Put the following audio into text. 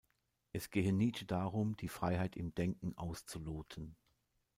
Es gehe Nietzsche darum, die Freiheit im Denken auszuloten.